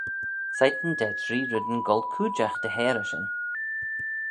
Shegin da tree reddyn goll cooidjagh dy heyrey shin.